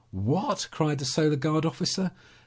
"What?" cried the Solar Guard officer.